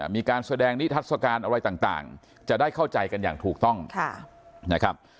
มีการแสดงนิทัศกาลอะไรต่างจะได้เข้าใจกันอย่างถูกต้องนะครับ